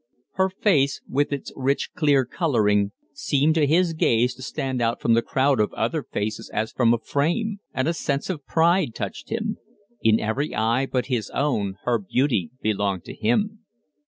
Her face, with its rich, clear coloring, seemed to his gaze to stand out from the crowd of other faces as from a frame, and a sense of pride touched him. In every eye but his own her beauty belonged to him.